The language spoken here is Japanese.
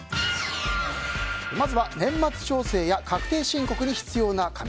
まずは年末調整や確定申告に必要な紙。